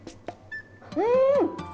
うん！